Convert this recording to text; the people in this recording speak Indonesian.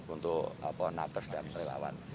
untuk ponaters dan relawan